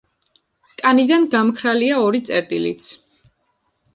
კანიდან გამქრალია ორი წერტილიც.